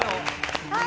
はい。